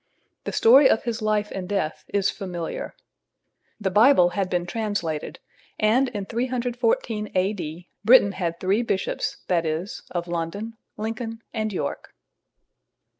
The story of his life and death is familiar. The Bible had been translated, and in 314 A.D. Britain had three Bishops, viz., of London, Lincoln, and York.